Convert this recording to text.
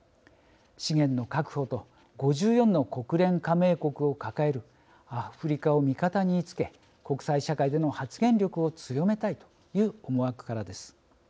資源の確保と５４の国連加盟国を抱えるアフリカを味方につけ国際社会での発言力を強めたいという思惑からです。